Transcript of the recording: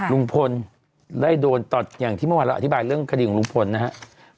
ลุงพลได้โดนตัดอย่างที่เมื่อวานเราอธิบายเรื่องคดีของลุงพลนะครับ